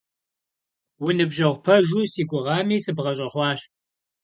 Уныбжьэгъу пэжу си гугъами, сыбгъэщӀэхъуащ.